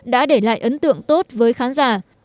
đã để lại ấn tượng tốt với khán giả